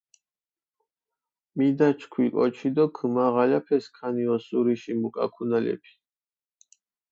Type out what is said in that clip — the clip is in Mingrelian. მიდაჩქვი კოჩი დო ქჷმაღალაფე სქანი ოსურიში მუკაქუნალეფი.